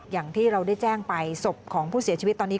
อย่างที่เราได้แจ้งไปศพของผู้เสียชีวิตตอนนี้